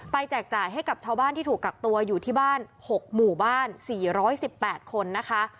แจกจ่ายให้กับชาวบ้านที่ถูกกักตัวอยู่ที่บ้าน๖หมู่บ้าน๔๑๘คนนะคะ